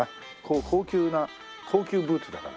高級な高級ブーツだから。